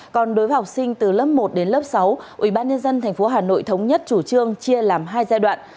còn đối với học sinh từ lớp một đến lớp sáu ubnd tp hà nội thống nhất chủ trương chia làm hai giai đoạn